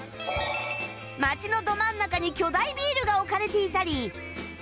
街のど真ん中に巨大ビールが置かれていたり